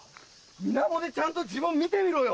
水面でちゃんと自分見てみろよ。